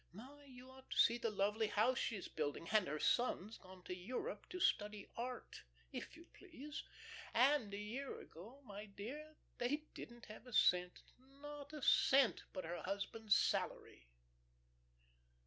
My, you ought to see the lovely house she's building, and her son's gone to Europe, to study art, if you please, and a year ago, my dear, they didn't have a cent, not a cent, but her husband's salary."